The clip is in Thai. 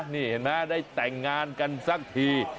นี่เห็นไหมได้แต่งงานกันสักที